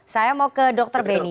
saya mau ke dr beni